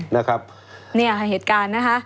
นี่เหตุการณ์นะคะ